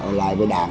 ở lại với đảng